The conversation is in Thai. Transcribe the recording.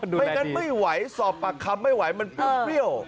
ดูแดดดีไม่อย่างนั้นไม่ไหวสอบปากคำไม่ไหวมันปริ้ว